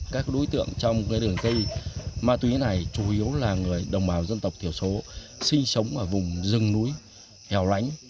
các đối tượng trong đường dây ma túy này chủ yếu là người đồng bào dân tộc thiểu số sinh sống ở vùng rừng núi hẻo lánh